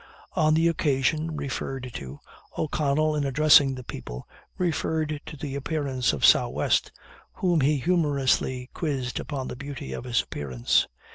On the occasion referred to, O'Connell, in addressing the people, referred to the appearance of Sow West, whom he humorously quizzed upon the beauty of his appearance.